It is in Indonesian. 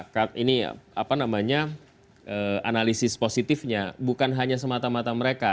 kak ini apa namanya analisis positifnya bukan hanya semata mata mereka